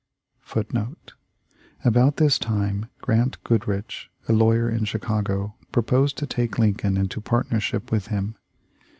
About this time Grant Goodrich, a lawyer in Chicago, pro posed to take Lincoln into partnership with him.